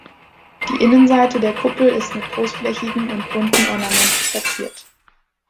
Die Innenseite der Kuppel ist mit großflächigen und bunten Ornamenten verziert.